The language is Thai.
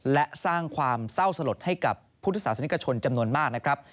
และสร้างความเศร้าสลดให้กับพุทธศาสนิกชนจำนวนมากนะครับ